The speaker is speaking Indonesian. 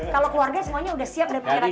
kalau keluarga semuanya udah siap dan pengirakan